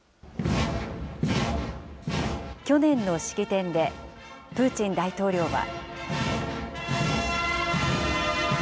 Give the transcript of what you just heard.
去年の式典で、プーチン大統領は。